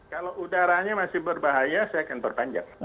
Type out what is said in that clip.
kalau udaranya masih berbahaya saya akan perpanjang